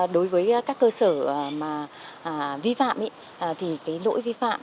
đối với các cơ sở vi phạm thì cái lỗi vi phạm